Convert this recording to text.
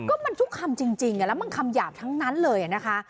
ก็มันทุกคำจริงแล้วมันคำหยาบทั้งนั้นเลยนะคะ